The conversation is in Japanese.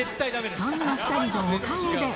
そんな２人のおかげで。